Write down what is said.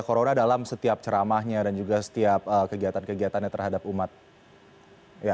corona dalam setiap ceramahnya dan juga setiap kegiatan kegiatannya terhadap umat ya